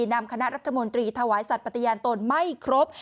นำคณะรัฐมนตรีถวายสัตว์ปฏิญาณตนไม่ครบ